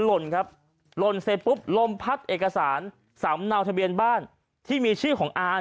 หล่นครับหล่นเสร็จปุ๊บลมพัดเอกสารสำเนาทะเบียนบ้านที่มีชื่อของอา